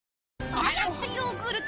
おはヨーグルト。